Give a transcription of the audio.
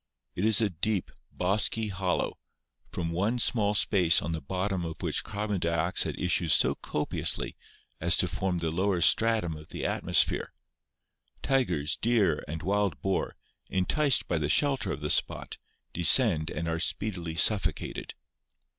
It is a deep, bosky hollow, from one small space on the bottom of which carbon dioxide issues so copiously as to form the lower stratum of the atmosphere. Tigers, deer, and wild boar, enticed by the shelter of the spot, descend and are speedily suffocated.